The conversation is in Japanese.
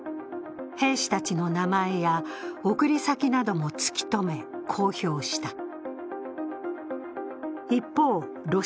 兵士たちの名前や送り先なども突きとめ公表した。